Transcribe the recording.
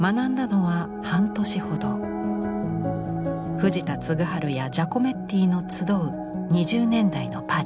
藤田嗣治やジャコメッティの集う２０年代のパリ。